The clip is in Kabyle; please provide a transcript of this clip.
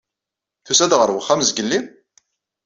Tusa-d ɣer wexxam zgelli?